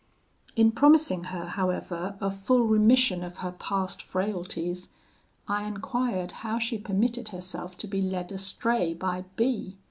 "In promising her, however, a full remission of her past frailties, I enquired how she permitted herself to be led astray by B